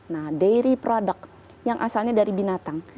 nah dairy product yang asalnya dari binatang